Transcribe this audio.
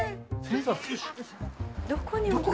どこに置く？